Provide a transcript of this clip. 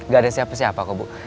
gak ada siapa siapa kok bu